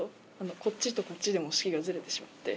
こっちとこっちでも指揮がずれてしまって。